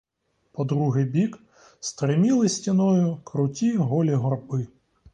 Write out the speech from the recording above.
По другий бік стриміли стіною круті голі горби.